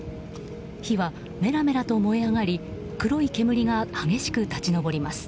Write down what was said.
火はメラメラと燃え上がり黒い煙が激しく立ち上ります。